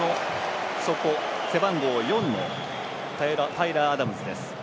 背番号４のタイラー・アダムズです。